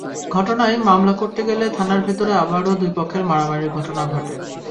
ঘটনায় মামলা করতে গেলে থানার ভেতরে আবারও দুই পক্ষের মারামারির ঘটনা ঘটে।